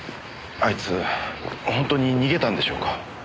あいつ本当に逃げたんでしょうか？